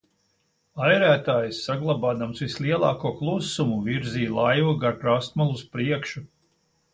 Airētājs, saglabādams vislielāko klusumu, virzīja laivu gar krastmalu uz priekšu.